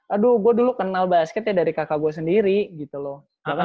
aduh gue dulu kenal basketnya dari kakak gue sendiri gitu loh